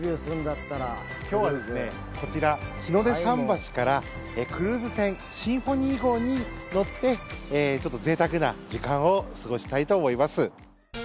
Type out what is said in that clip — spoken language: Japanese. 今日は、こちら日の出桟橋からクルーズ船「シンフォニー号」に乗ってちょっとぜいたくな時間を過ごしたいと思います。